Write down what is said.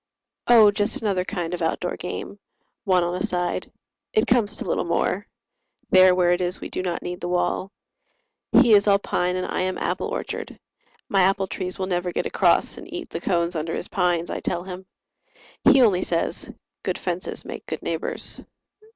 Oh, just another kind of out door game, One on a side. It comes to little more: There where it is we do not need the wall: He is all pine and I am apple orchard. My apple trees will never get across And eat the cones under his pines, I tell him. He only says, "Good fences make good neighbours."